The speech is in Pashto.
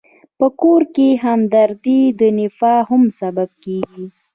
په کور کې همدردي د تفاهم سبب کېږي.